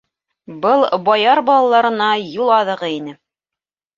Был — баяр балаларына юл аҙығы ине.